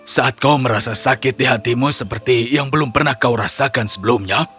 saat kau merasa sakit di hatimu seperti yang belum pernah kau rasakan sebelumnya